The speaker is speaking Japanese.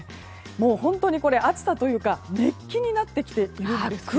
本当に暑さというか熱気になってきているんですけども。